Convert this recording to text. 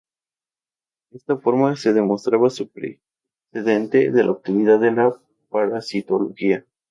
De esta forma se demostraba un precedente de la utilidad de la parasitología.